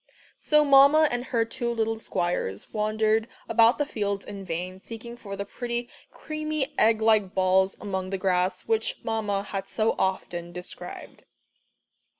So Mamma and her two little squires wandered about the fields in vain, seeking for the pretty creamy egg like balls among the grass, which Mamma had so often described.